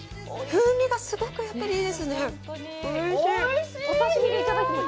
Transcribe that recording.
風味がすごくやっぱりいいですね。